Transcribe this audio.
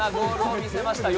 見せました。